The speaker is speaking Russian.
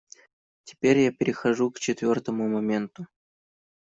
Теперь я перехожу к четвертому моменту.